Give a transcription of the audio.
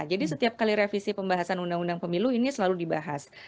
jadi setiap kali revisi pembahasan undang undang pemilu ini selalu dibahas